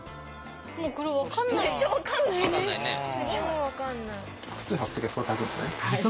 これ分かんない。